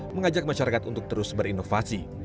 mengajak masyarakat untuk terus berinovasi